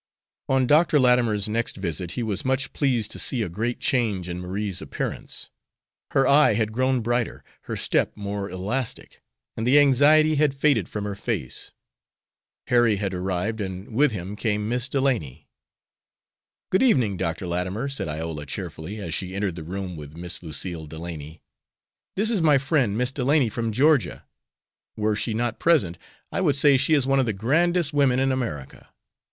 On Dr. Latimer's next visit he was much pleased to see a great change in Marie's appearance. Her eye had grown brighter, her step more elastic, and the anxiety had faded from her face. Harry had arrived, and with him came Miss Delany. "Good evening, Dr. Latimer," said Iola, cheerily, as she entered the room with Miss Lucille Delany. "This is my friend, Miss Delany, from Georgia. Were she not present I would say she is one of the grandest women in America."